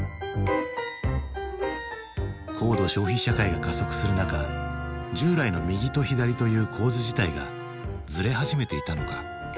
高度消費社会が加速する中従来の右と左という構図自体がズレ始めていたのか？